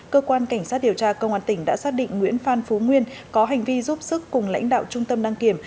cơ quan cảnh sát điều tra công an tỉnh đã xác định nguyễn phan phú nguyên có hành vi giúp sức cùng lãnh đạo trung tâm đăng kiểm